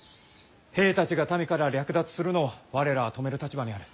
兵たちが民から略奪するのを我らは止める立場にある。